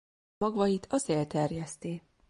Magvait a szél terjeszti.